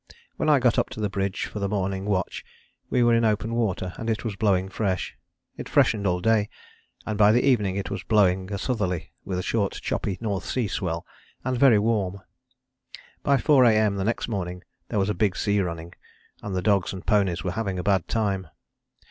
When I got up to the bridge for the morning watch we were in open water and it was blowing fresh. It freshened all day, and by the evening it was blowing a southerly with a short choppy North Sea swell, and very warm. By 4 A.M. the next morning there was a big sea running and the dogs and ponies were having a bad time.